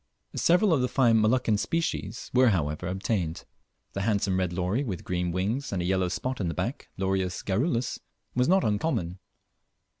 Several of the fine Moluccan species were however obtained. The handsome red lory with green wings and a yellow spot in the back (Lorius garrulus), was not uncommon.